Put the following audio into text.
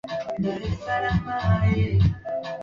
ili kuruhusu mwili kuzoea hali ya hewa ya anga za juu